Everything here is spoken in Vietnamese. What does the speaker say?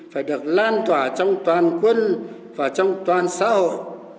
phải được lan tỏa trong toàn quân và trong toàn xã hội